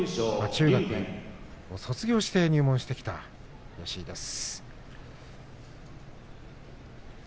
中学を卒業して入門してきた吉井です。